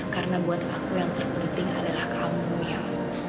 karena buat aku yang terpenting adalah kamu miel